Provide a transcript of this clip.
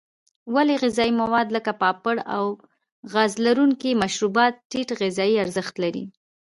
ولې غذایي مواد لکه پاپړ او غاز لرونکي مشروبات ټیټ غذایي ارزښت لري.